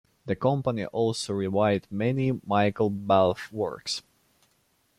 The company also revived many Michael Balfe works.